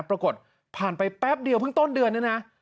ปรากฏผ่านไปแป๊บเดียวเพิ่งต้นเดือนเนี่ยนะ